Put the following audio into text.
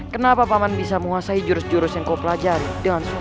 kenapa paman bisa menguasai jurus jurus yang kau pelajari